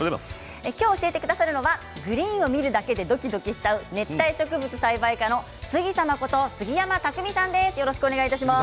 今日、教えてくださるのはグリーンを見るだけでドキドキしちゃう熱帯植物栽培家の杉様こと、杉山拓巳さんです。